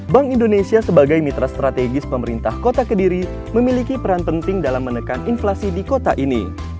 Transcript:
bank indonesia sebagai mitra strategis pemerintah kota kediri memiliki peran penting dalam menekan inflasi di kota ini